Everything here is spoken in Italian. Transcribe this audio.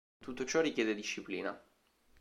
Tutto ciò richiede disciplina.